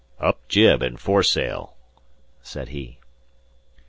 "Up jib and foresail," said he.